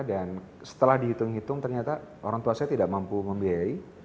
dan setelah dihitung hitung ternyata orang tua saya tidak mampu membiayai